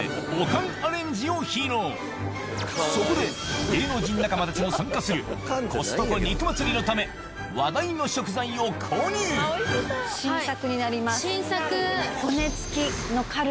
そこで芸能人仲間たちも参加するコストコ肉祭りのため話題の食材を購入新作。